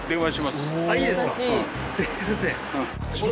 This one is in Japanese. すいません。